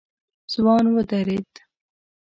ځوان ودرېد.